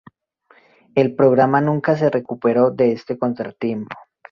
El programa nunca se recuperó de este contratiempo.